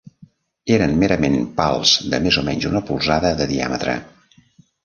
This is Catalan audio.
Eren merament pals de més o menys d'una polzada de diàmetre.